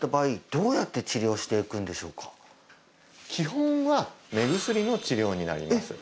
基本は目薬の治療になります